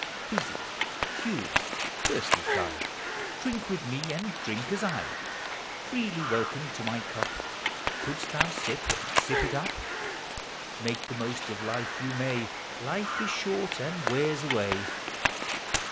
Busy, curious, thirsty fly, Drink with me, and drink ;is I ! Freely welcome to my Clip, Couldst thou sij) and sip it up: Make the most of life you may; Life is short and wears away!